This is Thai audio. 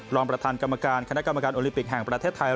รองประธานกรรมการคณะกรรมการโอลิปิกแห่งประเทศไทย